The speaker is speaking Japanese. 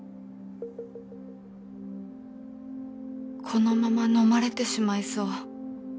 このままのまれてしまいそう